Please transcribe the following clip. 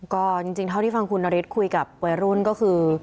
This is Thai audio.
ก็จริงเท่าที่ฟังคุณนฤทธิ์คุยกับวัยรุ่นก็คือ